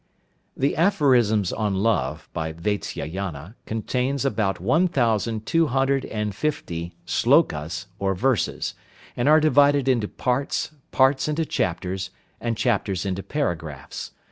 The 'Aphorisms on Love,' by Vatsyayana, contains about one thousand two hundred and fifty slokas or verses, and are divided into parts, parts into chapters, and chapters into paragraphs.